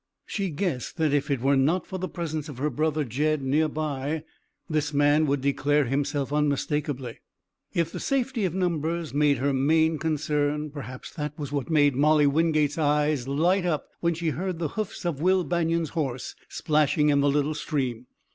She guessed that if it were not for the presence of her brother Jed near by this man would declare himself unmistakably. If the safety of numbers made her main concern, perhaps that was what made Molly Wingate's eye light up when she heard the hoofs of Will Banion's horse splashing in the little stream.